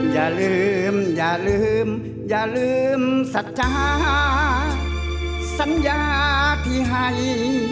อย่าลืมอย่าลืมอย่าลืมสัจจาสัญญาที่ให้